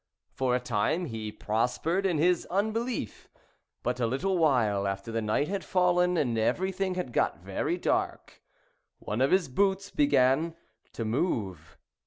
For a time he prospered in his unbelief ; but a little while after the night had fallen, and everything had got very dark, one of his boots began to move.